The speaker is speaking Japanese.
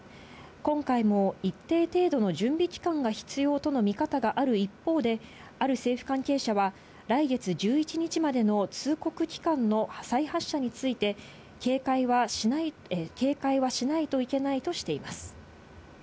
今回も一定程度の準備期間が必要との見方がある一方で、ある政府関係者は、来月１１日までの通告期間の破砕発射について、警戒はしないといけないとしています。